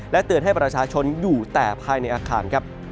เตือนให้ประชาชนอยู่แต่ภายในอาคารครับ